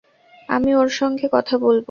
আমি ওর সঙ্গে কথা বলব।